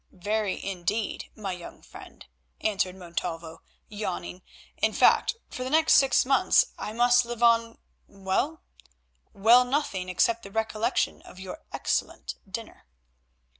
"Very, indeed, my young friend," answered Montalvo, yawning, "in fact, for the next six months I must live on—well—well, nothing, except the recollection of your excellent dinner."